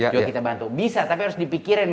juga kita bantu bisa tapi harus dipikirin